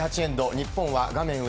日本は画面上。